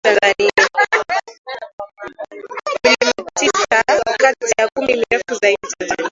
Milima tisa kati ya kumi mirefu zaidi Tanzania